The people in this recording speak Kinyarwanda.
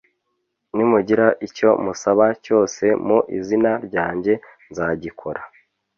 nimugira icyo musaba cyose mu izina ryanjye nzagikora